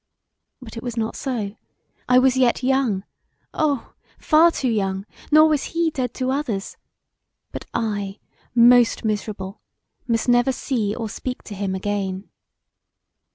But it was not so, I was yet young, Oh! far too young, nor was he dead to others; but I, most miserable, must never see or speak to him again.